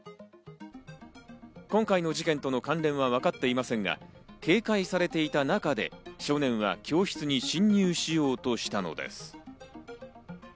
今回の事件との関連はわかっていませんが、警戒されていた中で少年は教室に侵入しようとしたのです。